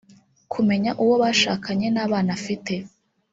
kumenya uwo bashakanye n’abana afite